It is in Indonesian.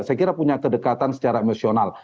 saya kira punya kedekatan secara emosional